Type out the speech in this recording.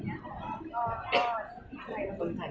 เวลาแรกพี่เห็นแวว